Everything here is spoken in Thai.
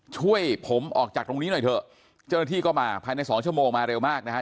ช่วยผมออกจากตรงนี้หน่อยเถอะเจ้าหน้าที่ก็มาภายในสองชั่วโมงมาเร็วมากนะฮะ